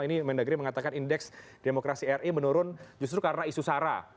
ini mendagri mengatakan indeks demokrasi ri menurun justru karena isu sara